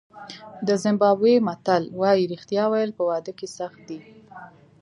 د زیمبابوې متل وایي رښتیا ویل په واده کې سخت دي.